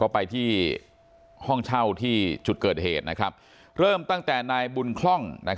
ไปที่ห้องเช่าที่จุดเกิดเหตุเริ่มตั้งแต่นายบุญคล่อง